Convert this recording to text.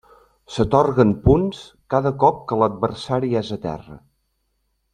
S'atorguen punts cada cop que l'adversari és a terra.